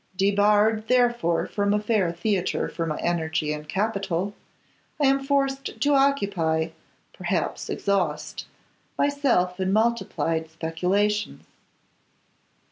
Debarred therefore from a fair theatre for my energy and capital, I am forced to occupy, perhaps exhaust, myself in multiplied speculations.